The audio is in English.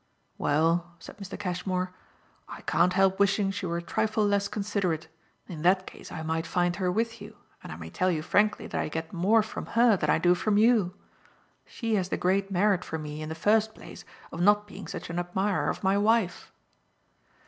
"Well," said Mr. Cashmore, "I can't help wishing she were a trifle less considerate. In that case I might find her with you, and I may tell you frankly that I get more from her than I do from you. She has the great merit for me, in the first place, of not being such an admirer of my wife."